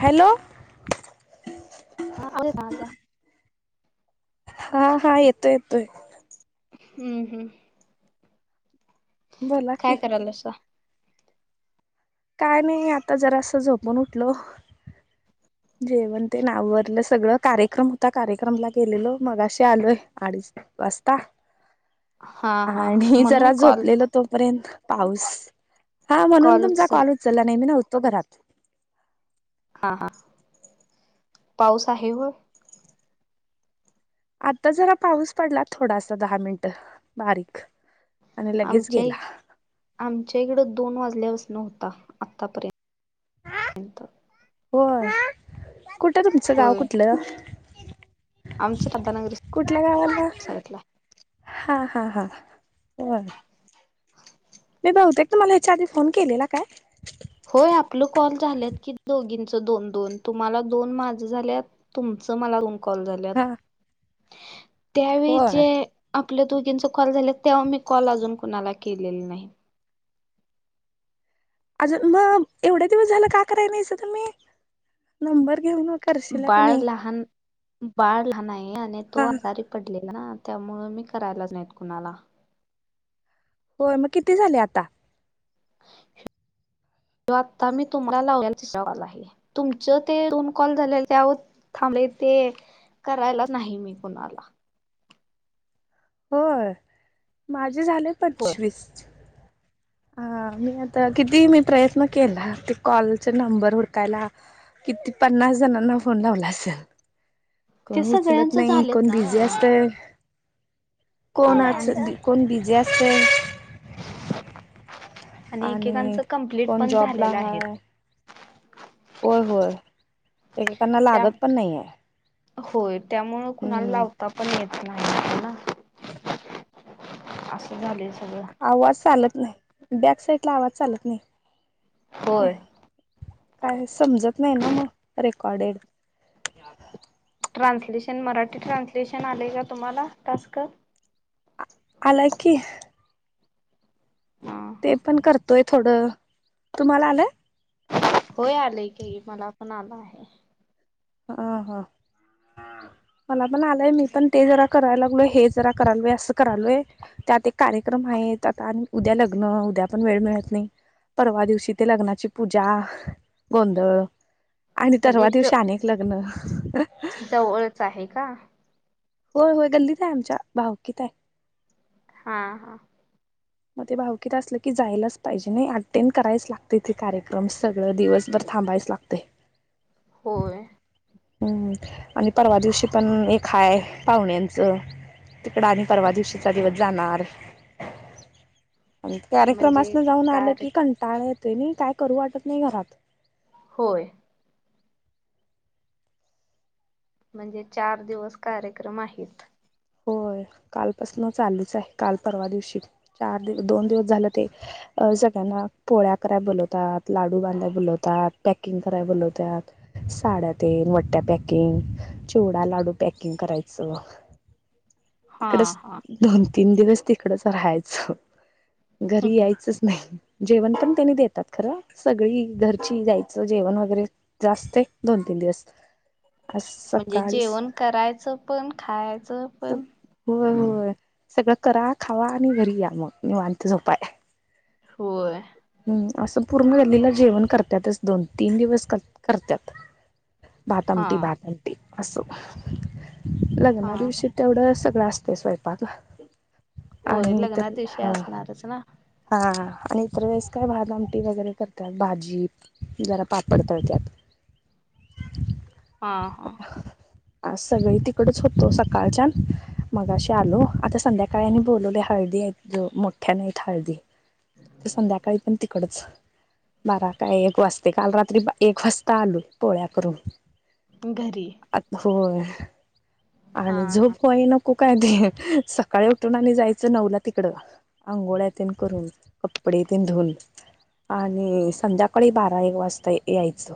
Hello [inaudible] हा हा येतोय येतोय हम्म हम्म बोला की काय करायलास काय नाही आता जरा असं झोपून उठलो जेवण तेन आववरलं सगळ कार्यक्रम होता कार्यक्रमला गेलेलो मगाशी आलोय अडीच वाजता हा हा आणि म्हणून जरा कॉल झोपलेल तोपर्यंत पाऊस हा म्हणून तुमचा कॉल उचलला नाही मी नव्हतो घरात हा हा पाऊस आहे होय आता जरा पाऊस पडला थोडासा दहा मिनिट बारीक आणि लगेच गेला तुमच्या इकडं दोन वाजल्यापासन होता आतापर्यंत होय कुठं तुमचं गाव होय. कुठलं आमचं राधानगरी कुठल्या गावला साईडला हा हा हा बर मी बघुतेक तुम्हाला याच्या आधी फोन केलेला काय होय आपलं कॉल झालत की दोघीं दोन दोन तुम्हाला दोन माझ झाल्यात तुमच मला दोन कॉल झाल्यात हा त्यावेळी होय जे आपल्या दोघींचा कॉल झाले तेव्हा मी कॉल अजून कुणाला केलेलं नाही अजून मग एवढ्या दिवस झाला का कराय नाहीसा तुम्ही मी नंबर घेऊन करशीला का बाळ नाही लहान बाळ लहान आहे आणि तो हा आजारी पडलेला ना त्यामुळे मी करायला नाहीत कोणाला होय मग, किती झाले आता? [unintelligible] ह्यो आत्ता मी तुम्हाला लावलेला [unintelligible] कॉल हाय ही तुमचं ते दोन कॉल झाल्यावर त्यावरच थांबले का? ते, मी करायलाच नाही मी कोणाला होय, माझे झाले होय पंचवीस [unintelligible] हा मी आता किती मी प्रयत्न केला ते कॉलचे नंबर हुडकायला, किती पन्नास जणांना फोन लावला असेल, ते कोण उचलत सगळ्यांच नाही, झालेत कोण ना बिझी असतंय. होय आणि कोणाचं कोण बिझी असतंय. आणि एकेकांचं कंप्लिट कोण पण जॉबला झालेलं आहेत. हाय होय- होय, एकेकांना त्या लागत पण नाहीए. होय, त्यामुळं कुणाला लावता पण येत नाही ना असं झालंय सग आवाज चालत नाही, बॅक साईटला आवाज चालत नाही. अ होय काय समजत नाही ना मग रे कडे [unintelligible] ट्रान्सलेशन मराठी ट्रान्सलेशन आलंय का तुम्हाला टास्क? आलाय की हा ते पण करतोय थोडं, तुम्हाला आलंय? होय आलेय की, ही मला पण आला आहे. हा हा मला पण आलंय मी पण ते जरा करायला लागलोय हे जरा करालोय असं करालोय, त्यात एक कार्यक्रम आहे आता आणि उद्या लग्न, उद्या पण वेळ मिळत नाही. परवा दिवशी ते लग्नाची पूजा, गोंधळ आणि म्हणजे तेरवा ज दिवशी आणि एक लग्न जवळच आहे का? होय होय गल्लीत आहे आमच्या, भावकीत आहे हा- हा मग ते भावकीत असलं की जायलाच पाहिजे नाही अटेंड करायचं लागतंय ते कार्यक्रम सगळं दिवसभर थांबायच लागतंय. होय. हम्म आणि परवा दिवशी पण एक आहे, पाहुण्यांचं तिकडं आणि परवा दिवशीचा दिवस जाणार आणि म्हणजे कार्यक्रमास्न जाऊन आलं कार्य की कंटाळा येतोय नाही, काही करू वाटत नाही घरात. होय म्हणजे चार दिवस कार्यक्रम आहेत. कालपासून चालूच आहे. काल परवा दिवशी चार दि दोन दिवस झालं ते सग ना पोळ्या कराय बोलवतात, लाडू बांधाय बोलवतात, पॅकिंग कराय बोलवतात, सा ड्या रे मोठ्या पॅकिंग चिवडा, लाडू पॅकिंग करायचं. हा हा तिकडंच दोन तीन दिवस तिकडंच राहायचं. घरी यायचंच नाही. जेवण पण त्यांनी देतात खरं, सगळी घरची जायचं जेवण वगैरे जे असतंय दोन तीन [unintelligible] म्हणजे सकाळीच जेवण करायचं पण खायचं पण होय- होय सगळं करा खावा आणि घरी या मग निवांत झोपाय होय असं पूर्ण गल्लीला जेवण करत्यातच, दोन तीन दिवस करत्यात. हा भातआमटी भातआमटी असं लग्ना हा दिवशी तेवढं सग लास्ट स्वयंपाक होय आणि लग्ना तरी दिवशी हां असणारच ना हां. आणि इतर वेळेस काय भात आमटी वगैरे करतात भाजी जरा पापड तळत्याात. हा. हा आ सगळी तिकडच होतो सकाळच्यान मगाशी आलो आता संध्याकाळनी बोलवले हळदी आहेत मोठ्याने हाईत हळदी. क संध्या तिकडच. बारा काय एक वाजते काल रात्री एक वाजता आलू पोळ्या करून. घरी अ होय. हा आणि हा झोप होईना. काय ते सकाळी उठून आणि जायचं नउला तिकड आंघोळ्यतेन करून कपडे तेिं धुऊन आणि संध्याकाळी बारा एक वाजता यायचं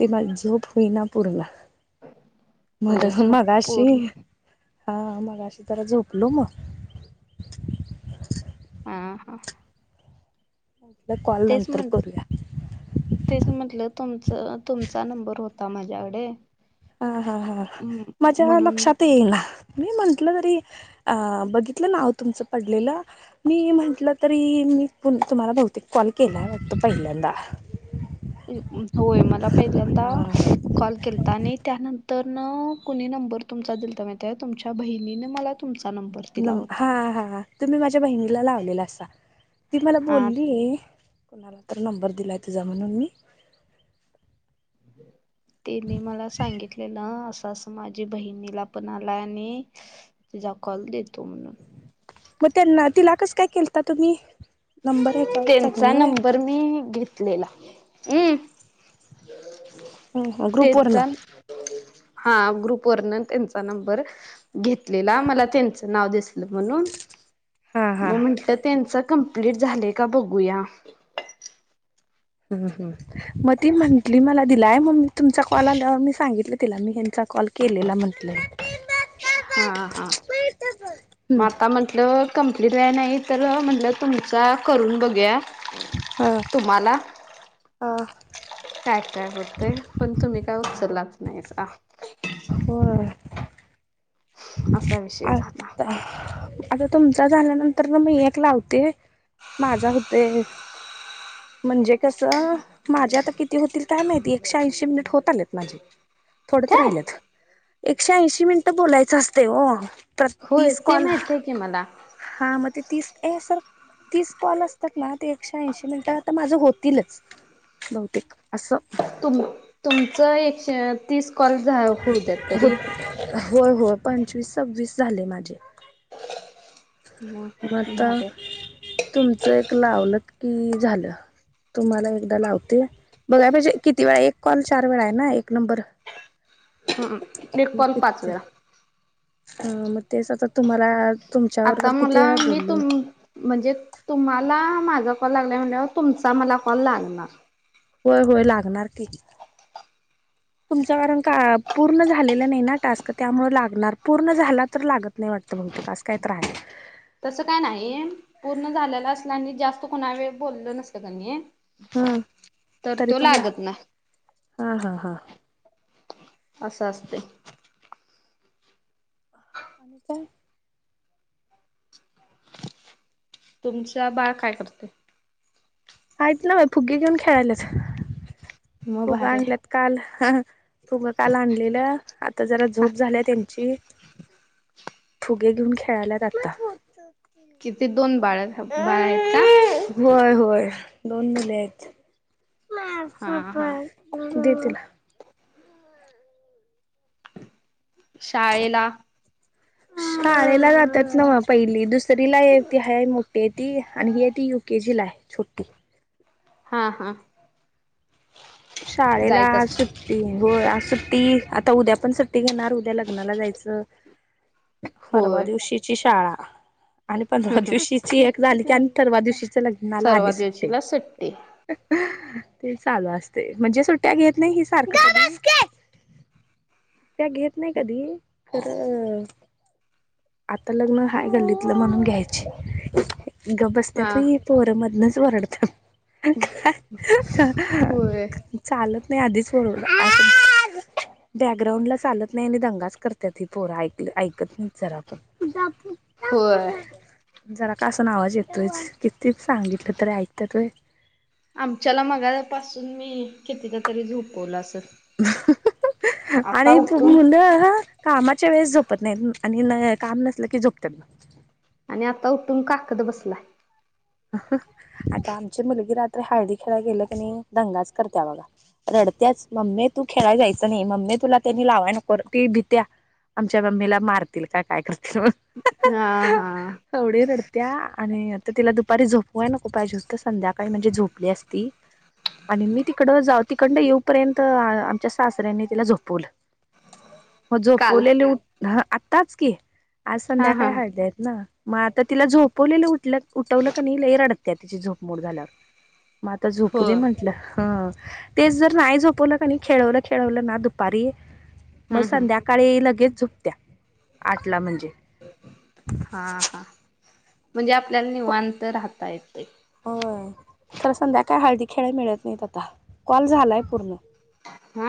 ते मला झोप होईना पूर्ण म होय झोप मग अशी पूर्ण हा मगा अशी तर झोपलो मग ह हा. म्हटलं कॉल तेच नंतर करूया म्ह तेच म्हंटलं तुमच. तुमचा नंबर होता माझ्याकडे. हा हा हा माझ्या म्हणून लक्षात येईना. मी म्हटलं तरी अ बघितलं नाव तुमचं पडलेलं मी म्हटलं तरी मी तुम्हाला बहुतेक कॉल केला वाटत पहिल्यांदा [inaudible] होय मला पहिल्यांदा हा कॉल केला तर आणि त्यानंतर कुणी न नंबर तुमचा दिलता माहित आहे तुमच्या बहिणीने मला तुमचा. नंबर दिला नम होता हा हा. तुम्ही माझ्या बहिणीला लावलेला असा ती मला हा बोलली. कोणाला तर नंबर दिला तुझा म्हणून मी. तस माझी बहिणीला पण आला आणि तिचा कॉल देतो म्हणून मग त्यांना तिलाकस काय केलता तुम्ही. नंबर ह्याच्यावरचा घेऊन त्यांचा व्हय नंबर मी घेतलेला. ये ग्रुप वरन तेचा हा ग्रुप वरण त्यांचा नंबर घेतलेला मला त्यांच नाव दिसल म्हणून हा हा मग म्हंटलं त्यांच कंप्लीट झालय का बघूया. ह हम मग ती म्हंटली मला दिलाय म मी तुमचा कॉल आलावर मी सांगितलं तिला मी त्यांचा कॉल केलेला म्हटलं. हा हा म हम्म आता म्हंटलं. कमप्लीट व्हाय नाही तर म्हटलं तुमचा करून बघुया. अ तुम्हाला अ काय काय बोलतय पण तुम्ही काय उचललात नाही हो असा विषय झाला आता. आता तुमचा झाल्यानंतर ना मी एक लावते माझा होतय. [inaudible] म्हणजे कसं माझे आता किती होतील काय माहिती एकशे ऐंशी मिनिट होत आलेत माझे थोडत काय राहिलत एकशे ऐंशी मिनिटं बोलायचं असते हो. तर होय तीस ते कॉल माहित आहे की मला हा मग ते तीस आहे सरक तीस कॉल असतात ना ते एकशे ऐंशी मिनिट तर माझं होतीलच बहुतेक असं. तुम तुमचं एकशे तीस कॉल होऊ द्यात हो तरी होय होय पंचवीस सव्वीस झाले माझे म आता भारी तुमचं एक लावल की झालं. तुम्हाला एकदा लावते, बघाय पाहिजे किती वेळा,, एक कॉल चार वेळा आहे ना एक नंबर. आहे एक कॉल पाच वेळा. हा मग तेच आ तर तुम्हाला तुमच्या आता बरोबर किती मला वेळा मी बोलले तुमा म्हणजे तुम्हाला माझ माझा कॉल लागलाय म्हणाव तुमचा मला कॉल लागणार. होय होय लागणार की. [inaudible] तुमच कारण का, पूर्ण झालेलं नाही ना टास्क, त्यामुळे लागणार. पूर्ण झाला तर लागत नाही वाटत. बहुतेक असं कायतर हाय. तसं काय नाही, पूर्ण झालेलं असलं आणि जास्त कुणा वेळ बोललं नसल कनै हम, तरी पण ला, नाही हा हा हा. असं असतय. आणि काय? तुमचा बाळ काय करतय. आहेतना फुगे घेऊन खेळायलात, मग फुगे भारी आहे आणल्यात काल. फूगं काल आणलेलं, आता जरा झोप झाल्या त्यांची. फूगे घेऊन खेळायलायत आता. किती दोन बाळं बाळं हात का? होय होय दोन मुले हा हायत, हा दे तीला. शाळेला. शाळेला जातात नवं पहिली, दुसरी ला आहे ती हाय मोठी आहे ती आणि ही हाय ती युके जी ला हाय. सूट्टी. हा हा. शाळेला जायत असते सुट्टी होय. सुट्टी, आता उद्या पण सुट्टी घेणार, उद्या लग्नाला जायचं. परवा होय दिवशीची शाळा. आणि पंधरा दिवशीची एक झाली की आणि थरवा दिवशी लग्नाला सर्व आणि सुट्टी, दिवशीला सुट्टी ते चालू अस तय म्हणजे सुट्ट्या घेत नाही ही सारखं [unintelligible] त्या घेत नाही कधी खर अ आता लग्न हाय गल्लीतलं म्हणून घ्यायची, गंप हा बसत्यात वय हि पोरं मधनच वरडत्यात, होय चालत मी आधीच बोलवला [unintelligible] बॅकग्राऊंड ला चालत नाही, आणि दंगाच करतात हि पोरा ऐक, ऐकत नाही जरापन. [unintelligible] होय. जरा कसं ना आवाज येतोयच, किती सांगितलं तरी ऐकतात होय. आमच्याला मगा पासून मी कितीदा तरी झोपवलं असंल. आणि उठून मुलं कामात च्या वेळेस झोपत नाहीत आणि काम नसलं की झोपतात. आणि आता उठून काकत बसलाय. आता आमची मुलगी रात्र हळदी खेळायला गेली कनी नाही दंगाच करत्या बघा. रडत्याच, मम्मे तू खेळाला जायचं नाही, मम्मे तुला त्यांनी लावाय नको, ती भित्या. आमच्या मम्मीला मारतील का काय करतील मनुन. हा हा एवढी रडत्या आणि तिला दुपारी झोपवाय नको पाहिजे हूत संध्याकाळी म्हजे झोपली असती. आणि मी तिकड जा तिकडडं येऊपर्यंत आमच्या सासऱ्यांनी तिला झोपवलं. [inaudible] म झोपवलेली उट, हा आत्ताच की आज हा संध्याकाळी हा हळदेत ना. म आता तिला झोपवलेलं उटल्या उठवलं का नाही लय रडत्या तिची झोपमोड झाल्यावर. मग आता हो झोपू दे हम्म म्हंटलं हा आ तेच जर नाही झोपवलं की नाही खेळवलं खेळवलं ना दुपारी मग हम्म संध्याकाळी ळी लगेच झोपत्या आठला म्हणजे हा आ हा आ तुम्ही आपल्या होय. निवांत राहताय की होय खरं संध्याकाळी हळदी खेळायला मिळत नाही आता कॉल झालाय पूर्ण हा आ